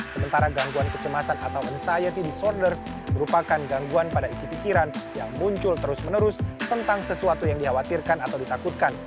sementara gangguan kecemasan atau anxiety disorders merupakan gangguan pada isi pikiran yang muncul terus menerus tentang sesuatu yang dikhawatirkan atau ditakutkan